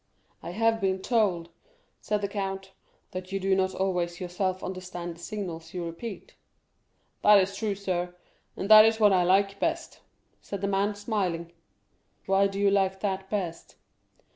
"I have been told," said the count, "that you do not always yourselves understand the signals you repeat." "That is true, sir, and that is what I like best," said the man, smiling. "Why do you like that best?"